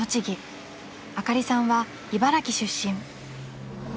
［あかりさんは茨城出身］